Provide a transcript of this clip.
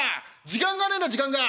時間がねえんだ時間が。